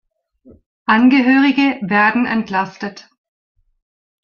Angehörige werden entlastet.